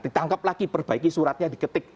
ditangkap lagi perbaiki suratnya diketik